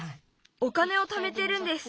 お金をためてるんです。